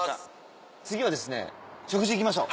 次は食事行きましょう。